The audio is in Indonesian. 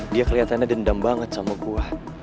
dia kelihatannya dendam banget sama kuah